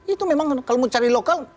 itu memang kalau mau cari lokal